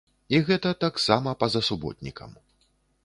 І гэта таксама па-за суботнікам.